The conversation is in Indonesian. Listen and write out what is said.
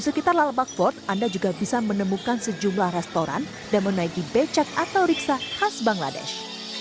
di sekitar lalabag fort anda juga bisa menemukan sejumlah restoran dan menaiki becak atau riksa khas bangladesh